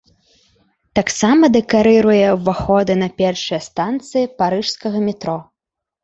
Таксама дэкарыруе ўваходы на першыя станцыі парыжскага метро.